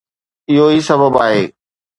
اهو ئي سبب آهي